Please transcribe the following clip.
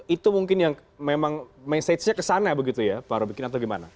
itu mungkin yang memang mensagenya kesana begitu ya pak robykin atau gimana